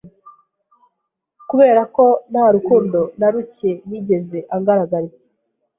kubera ko nta rukundo na rucye yigeze angaragariza